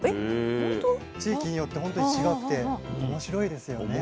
地域によって本当に違って面白いですよね。